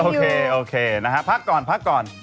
โอเคโอเคนะฮะพักก่อนพักก่อน